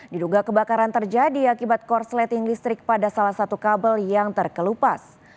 diduga kebakaran terjadi akibat korsleting listrik pada salah satu kabel yang terkelupas